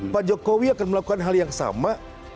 pak jokowi akan melakukan hal yang sama